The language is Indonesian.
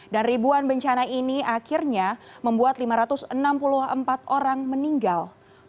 dan ribuan bencana ini akhirnya membuat lima ratus enam puluh empat orang meninggal